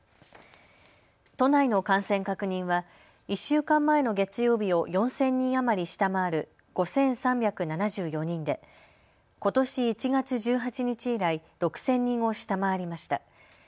都内の感染確認は１週間前の月曜日を４０００人余り下回る５３７４人でことし１月１８日以来、６０００人を下回りました。